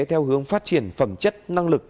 theo hướng phát triển phẩm chất năng lực